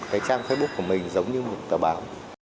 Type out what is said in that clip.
cái trang facebook của mình giống như một tờ báo